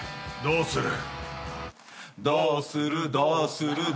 どうする？